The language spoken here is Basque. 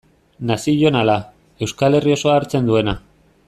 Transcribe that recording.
Nazionala, Euskal Herri osoa hartzen duena.